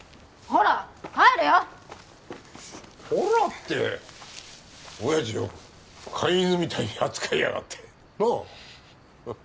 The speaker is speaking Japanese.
「ほら」って親父を飼い犬みたいに扱いやがってなあ？